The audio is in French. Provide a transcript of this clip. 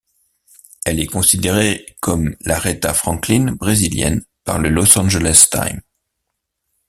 Elle est considérée comme l'Aretha Franklin brésilienne par le Los Angeles Times.